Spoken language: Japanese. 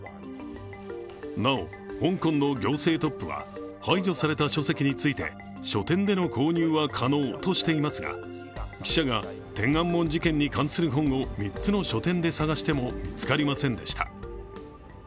なお、香港の行政トップは排除された書籍について、書店での購入は可能としていますが記者が天安門事件に関する本を３つの書店で探しても見つかりませんでした。